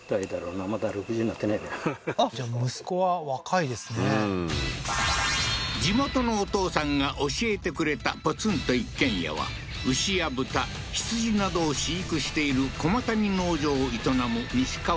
じゃあ息子は若いですねうん地元のお父さんが教えてくれたポツンと一軒家は牛や豚羊などを飼育しているコマタニ農場を営むニシカワ家